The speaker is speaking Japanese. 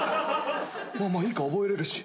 まあいいか覚えれるし。